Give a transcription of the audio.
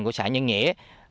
của xã nhân nghĩa